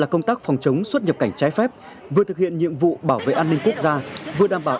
công tác phòng chống xuất nhập cảnh trái phép vừa thực hiện nhiệm vụ bảo vệ an ninh quốc gia vừa đảm bảo